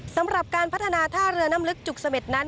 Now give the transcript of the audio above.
สำหรับการพัฒนาท่าเรือน้ำลึกจุกเสม็ดนั้น